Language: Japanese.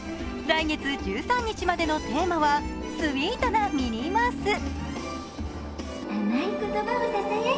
来月１３日までのテーマは「スウィートなミニーマウス」。